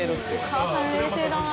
お母さん冷静だな。